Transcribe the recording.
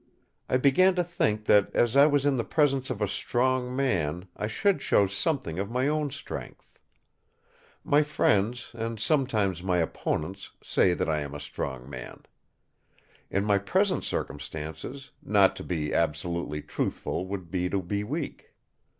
I began to think that as I was in the presence of a strong man, I should show something of my own strength. My friends, and sometimes my opponents, say that I am a strong man. In my present circumstances, not to be absolutely truthful would be to be weak.